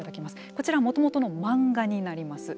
こちらもともとの漫画になります。